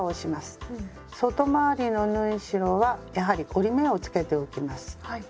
外回りの縫い代はやはり折り目をつけておきます。